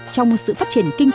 trong sự phát triển của đồng bào